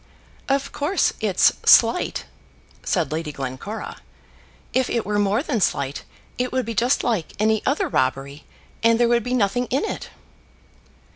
"Of course, it's slight," said Lady Glencora. "If it were more than slight, it would be just like any other robbery, and there would be nothing in it."